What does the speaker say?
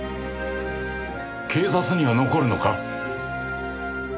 警察には残るのか？